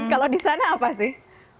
kalau di sana apa sih